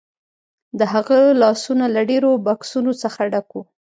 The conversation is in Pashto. د هغه لاسونه له ډیرو بکسونو څخه ډک وو